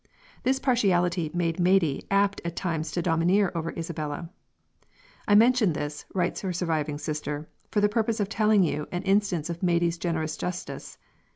This partiality made Maidie apt at times to domineer over Isabella. "I mention this," writes her surviving sister, "for the purpose of telling you an instance of Maidie's generous justice.